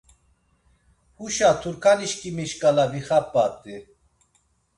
Huşa Turkanişkimi şǩala vixap̌at̆i.